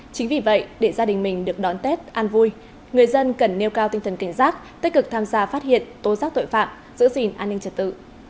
chính vì vậy để gia đình mình được đón tết an vui người dân cần nêu cao tinh thần cảnh giác tích cực tham gia phát hiện tố giác tội phạm giữ gìn an ninh trật tự